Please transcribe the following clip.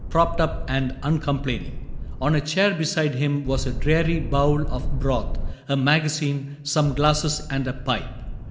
Propped up and uncomplaining. On a chair Beside him was a dreary bowl of broth, A magazine, some glasses, and a pipe.